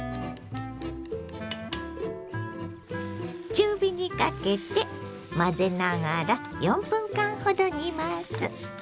中火にかけて混ぜながら４分間ほど煮ます。